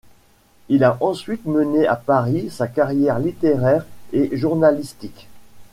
Il a ensuite mené à Paris sa carrière littéraire et journalistique.